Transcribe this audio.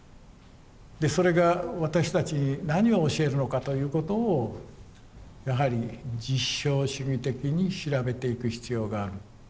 でそれが私たちに何を教えるのかということをやはり実証主義的に調べていく必要がある。